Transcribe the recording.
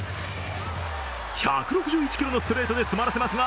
１６１キロのストレートで詰まらせますが、